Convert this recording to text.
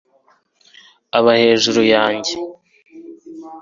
aba hejuru yanjye